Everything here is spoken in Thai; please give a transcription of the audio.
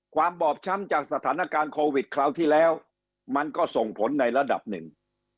บอบช้ำจากสถานการณ์โควิดคราวที่แล้วมันก็ส่งผลในระดับหนึ่ง